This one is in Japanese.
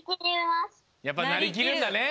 やっぱなりきるんだね。